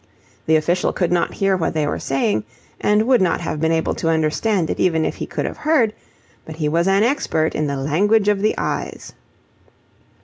The official could not hear what they were saying, and would not have been able to understand it even if he could have heard; but he was an expert in the language of the eyes.